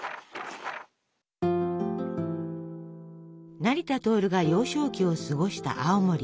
成田亨が幼少期を過ごした青森。